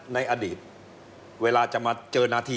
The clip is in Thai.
ในอดีตเวลาจะมาเจอหน้าที่